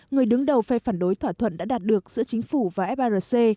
người đứng đầu phe phản đối thỏa thuận đã đạt được giữa chính phủ và frc